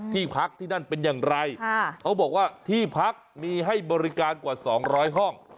ที่พักที่นั่นเป็นอย่างไรเขาบอกว่าที่พักมีให้บริการกว่า๒๐๐ห้อง